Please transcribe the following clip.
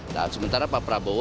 nah sementara pak prabowo